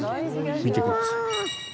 見てください。